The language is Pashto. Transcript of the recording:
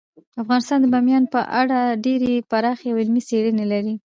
افغانستان د بامیان په اړه ډیرې پراخې او علمي څېړنې لري.